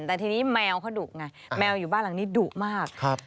แต่ทีนี้แมวเขาดุไงแมวอยู่บ้านหลังนี้ดุมาก